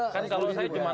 mas budi juga